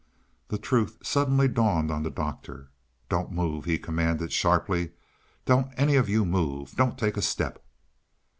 The truth suddenly dawned on the Doctor. "Don't move!" he commanded sharply. "Don't any of you move! Don't take a step!"